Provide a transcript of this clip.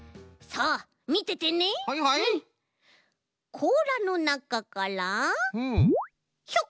こうらのなかからひょこ！